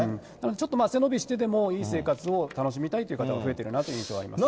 ちょっと背伸びしてもいい生活を楽しみたいっていう方が増えてるなという印象ありますね。